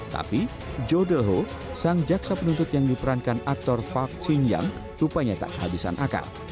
tapi joe delho sang jaksa penuntut yang diperankan aktor park shin young rupanya tak kehabisan akal